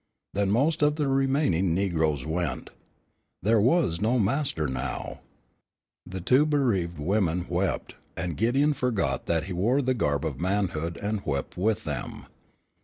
Then most of the remaining negroes went. There was no master now. The two bereaved women wept, and Gideon forgot that he wore the garb of manhood and wept with them.